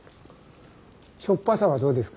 しょっぱさはどうですか？